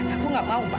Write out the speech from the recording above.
aku nggak mau pak